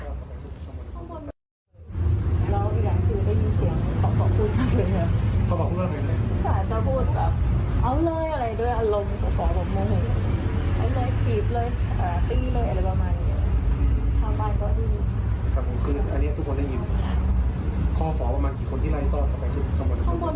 ทุกคนได้ยินข้อขอประมาณกี่คนที่ไล่ตอบไปทั้งหมด